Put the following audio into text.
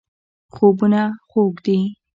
خوبونه خوږ دي.